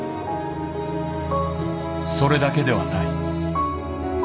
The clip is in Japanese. それだけではない。